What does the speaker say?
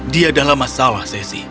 dia dalam masalah sese